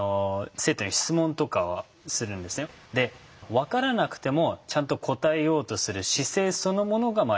分からなくてもちゃんと答えようとする姿勢そのものが評価されるんですよね。